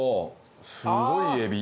すごいえび。